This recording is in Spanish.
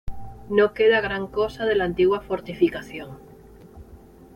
No queda gran cosa de la antigua fortificación.